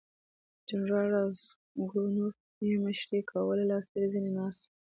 جنرال راسګونوف یې مشري کوله لاس تر زنې ناست وو.